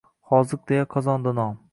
Hoziq deya qozondi nom